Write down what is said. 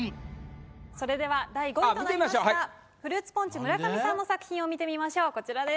それでは第５位となりましたフルーツポンチ・村上さんの作品を見てみましょうこちらです。